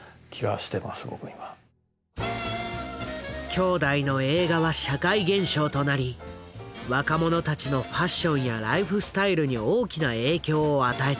兄弟の映画は社会現象となり若者たちのファッションやライフスタイルに大きな影響を与えた。